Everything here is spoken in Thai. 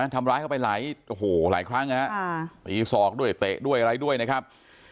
ทำร้ายเข้าไปหลายครั้งนะครับปีศอกด้วยเตะด้วยอะไรด้วยนะครับ